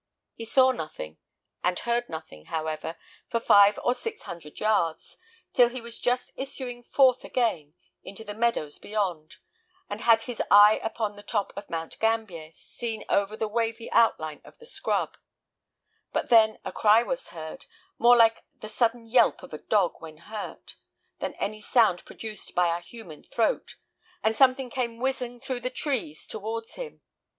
He saw nothing, and heard nothing, however, for five or six hundred yards, till he was just issuing forth again into the meadows beyond, and had his eye upon the top of Mount Gambier, seen over the wavy outline of the scrub; but then a cry was heard, more like the sudden yelp of a dog when hurt, than any sound produced by a human throat, and something came whizzing through the trees towards him.